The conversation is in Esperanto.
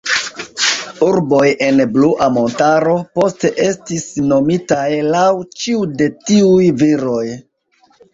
Urboj en Blua Montaro poste estis nomitaj laŭ ĉiu de tiuj viroj.